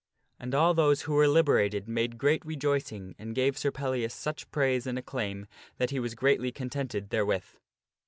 And all those who were liberated made great rejoicing and gave Sir Pellias such praise and acclaim that he was greatly contented therewith.